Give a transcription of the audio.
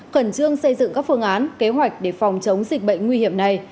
cẩn trương xây dựng các phương án kế hoạch để phòng chống dịch bệnh nguy hiểm này